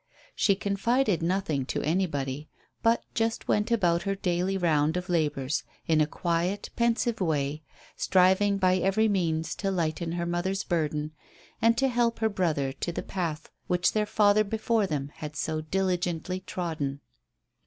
She confided nothing to anybody, but just went about her daily round of labours in a quiet, pensive way, striving by every means to lighten her mother's burden and to help her brother to the path which their father before them had so diligently trodden.